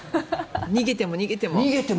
逃げても逃げても。